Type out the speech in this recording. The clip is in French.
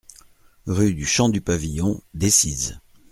Rue du Champ du Pavillon, Decize